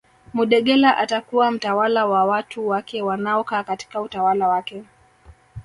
Mudegela atakuwa mtawala wa watu wake wanaokaa katika utawala wake